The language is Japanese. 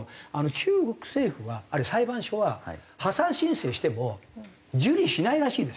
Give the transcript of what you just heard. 中国政府はあれ裁判所は破産申請しても受理しないらしいですね？